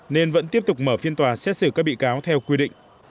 nên vẫn tiếp tục mở phiên tòa xét xử các bị cáo theo quy định